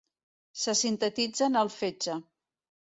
Se sintetitzen al fetge.